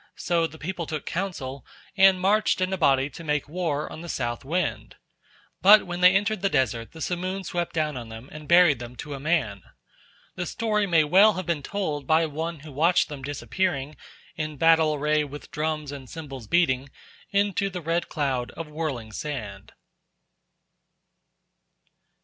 So the people took counsel and marched in a body to make war on the south wind. But when they entered the desert the simoon swept down on them and buried them to a man. The story may well have been told by one who watched them disappearing, in battle array, with drums and cymbals beating, into the red cloud of whirling sand.